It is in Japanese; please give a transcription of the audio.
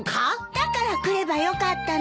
だから来ればよかったのに。